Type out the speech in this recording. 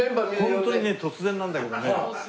ホントにね突然なんだけどね。